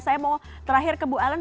saya mau terakhir ke bu ellen